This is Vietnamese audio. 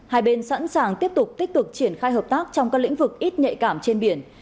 hai bên sẵn sàng tiếp tục tích cực triển khai hợp tác trong các lĩnh vực ít nhạy cảm trên biển